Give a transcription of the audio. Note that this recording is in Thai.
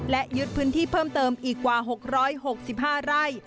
และยึดพื้นที่เพิ่มเติมอีกกว่า๖๖๕ไร่